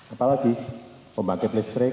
apalagi pembangkit listrik